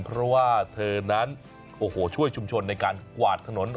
เพราะว่าเธอนั้นโอ้โหช่วยชุมชนในการกวาดถนน